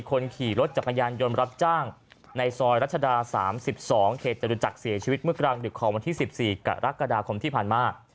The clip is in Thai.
คนขี่รถจักรยานยนต์รับจ้างในซอยรัชดา๓๒เขตจตุจักรเสียชีวิตเมื่อกลางดึกของวันที่๑๔กรกฎาคมที่ผ่านมา